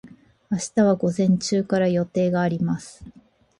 明日は午前中から予定があります。